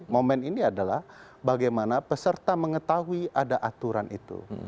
momen ini adalah bagaimana peserta mengetahui ada aturan itu